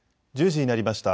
１０時になりました。